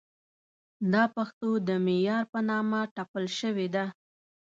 دا پښتو د معیار په نامه ټپل شوې ده.